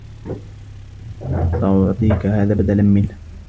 سأعطيك هذا بدلا منه.